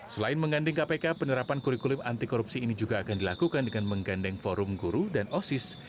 selain mengganding kpk penerapan kurikulum anti korupsi ini juga akan dilakukan dengan menggandeng forum guru dan osis